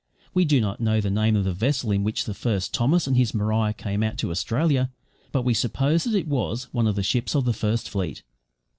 We do not know the name of the vessel in which the first Thomas and his Maria came out to Australia, but we suppose that it was one of the ships of the First Fleet.